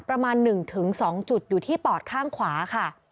ประมาณ๑๒จุดอยู่ที่ปอดข้างขวาค่ะ